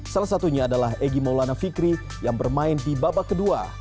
salah satunya adalah egy maulana fikri yang bermain di babak kedua